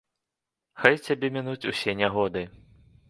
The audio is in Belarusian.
Хай цябе мінуць усе нягоды.